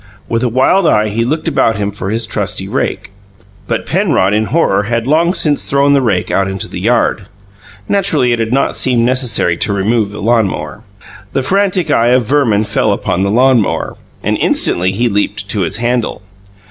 With a wild eye he looked about him for his trusty rake; but Penrod, in horror, had long since thrown the rake out into the yard. Naturally, it had not seemed necessary to remove the lawn mower. The frantic eye of Verman fell upon the lawn mower, and instantly he leaped to its handle.